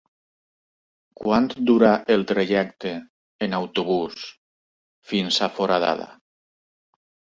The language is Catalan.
Quant dura el trajecte en autobús fins a Foradada?